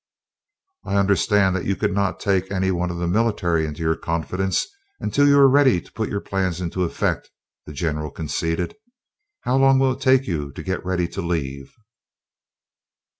"I understand that you could not take any one of the military into your confidence until you were ready to put your plans into effect," the general conceded. "How long will it take you to get ready to leave?